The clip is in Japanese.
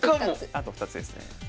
あと２つですね。